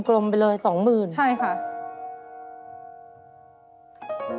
กลมไปเลย๒๐๐๐๐๐๐บาทค่ะใช่ค่ะ